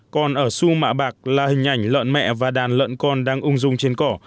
còn ở su mạ bạc là hình ảnh lợn mẹ và đàn lợn con đang ung dung trên cỏ